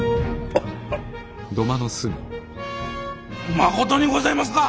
まことにごぜますか！